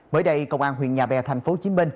mới đây công an huyện nhà bè tp hcm